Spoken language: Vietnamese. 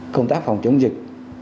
công tác phòng chống dịch